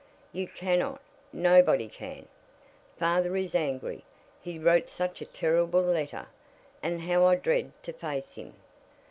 "You cannot nobody can. Father is angry he wrote such a terrible letter, and how I dread to face him!"